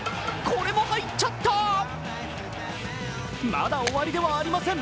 まだ終わりではありません。